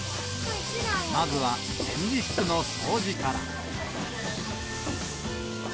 まずは展示室の掃除から。